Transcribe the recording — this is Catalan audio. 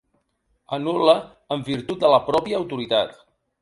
Anul·la en virtut de la pròpia autoritat.